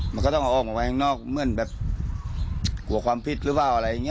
มันก็ต้องออกมั่งแคว้งหน้าเมื่อแบบหัวความพิษหรือว่าอะไรอย่างนี้